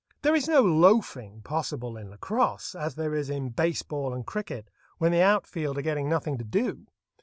There is no "loafing" possible in lacrosse, as there is in base ball and cricket, when the out field are getting nothing to do.